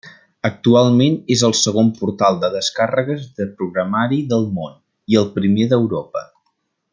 Actualment és el segon portal de descàrregues de programari del món i el primer d'Europa.